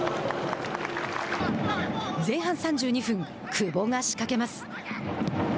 前半３２分久保が仕掛けます。